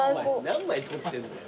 何枚撮ってんだよ。